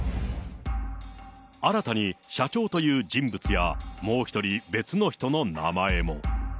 新たに社長という人物や、もう１人、別の人の名前も。